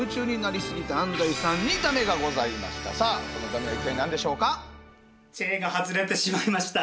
しかしさあこのだめは一体何でしょうか？